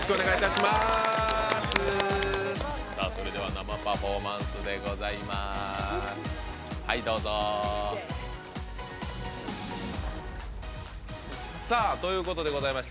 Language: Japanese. それでは生パフォーマンスでございます。